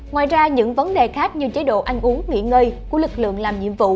ngoài ra những vấn đề khác như chế độ ăn uống nghỉ ngơi của lực lượng làm nhiệm vụ